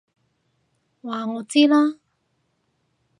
話我知啦！